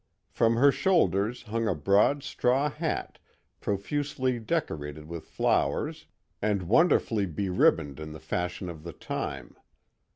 From her shoulders hung a broad straw hat profusely decorated with flowers and wonderfully beribboned in the fashion of the time.